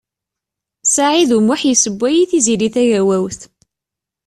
Saɛid U Muḥ yessewway i Tiziri Tagawawt.